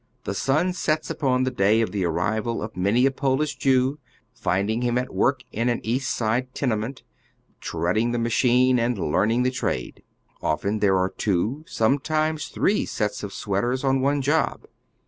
The sun sets upon tiie day of the airival of many a Polish Jew, finding him at work in an East Side tenement, treading the machine and "learning the trade." Often there are two, sometimes three, sets of sweaters on one job.